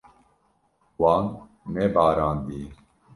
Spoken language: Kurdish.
Wan nebarandiye.